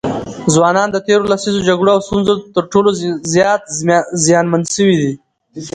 ځوانان د تېرو لسیزو جګړو او ستونزو تر ټولو زیات زیانمن سوي دي.